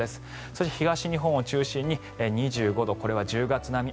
そして、東日本を中心に２５度これは１０月並み。